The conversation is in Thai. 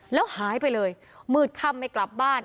แล้วหายไปเลยมืดค่ำไม่กลับบ้าน